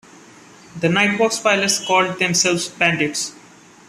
The Nighthawk's pilots called themselves "Bandits".